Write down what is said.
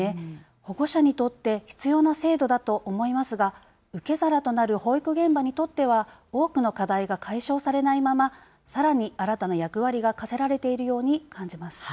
保護者にとって必要な制度だと思いますが、受け皿となる保育現場にとっては、多くの課題が解消されないまま、さらに新たな役割が課せられているように感じます。